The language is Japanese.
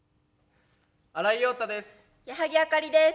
新井庸太です。